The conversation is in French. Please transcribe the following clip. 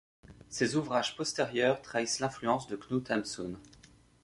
Ses ouvrages postérieurs trahissent l'influence de Knut Hamsun.